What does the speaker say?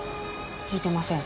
聞いてません。